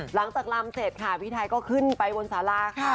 หลังจากลำเสร็จค่ะพี่ไทยก็ขึ้นไปบนสาราค่ะ